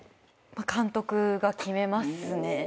監督が決めますね。